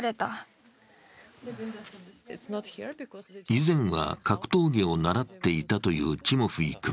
以前は格闘技を習っていたというチモフィ君。